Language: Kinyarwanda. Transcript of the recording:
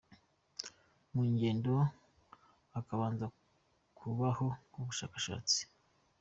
mu ngendo hakabanza kubaho ubushakashatsi.